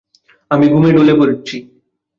আমি ঘুমে ঢলে পড়ছি।